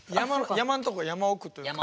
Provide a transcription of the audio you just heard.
山のとこ山奥というか。